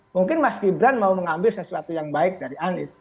mungkin mas gibran mau mengambil sesuatu yang baik dari anies